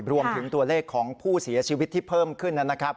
รวมถึงตัวเลขของผู้เสียชีวิตที่เพิ่มขึ้นนะครับ